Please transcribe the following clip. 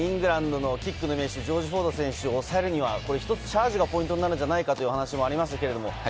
イングランドのキックの名手、ジョージ・フォードを抑えるにはチャージがポイントになるのではないかというお話がありました。